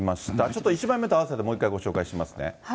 ちょっと１枚目と合わせてもう一回ご紹介しますね。